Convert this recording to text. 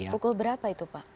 pukul berapa itu pak